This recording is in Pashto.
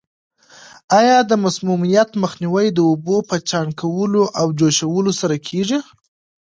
آیا د مسمومیت مخنیوی د اوبو په چاڼ کولو او جوشولو سره کیږي؟